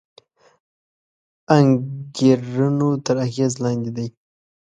انګېرنو تر اغېز لاندې دی